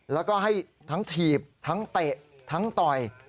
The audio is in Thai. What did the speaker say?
แล้วก็ให้ทั้งถีบทั้งเตะทั้งต่อย